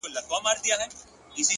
د زغم ځواک د شخصیت نښه ده